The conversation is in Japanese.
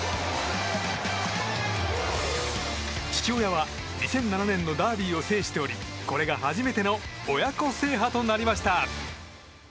父親は２００７年のダービーを制しておりこれが初めての親子制覇となりました。